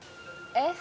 えっ？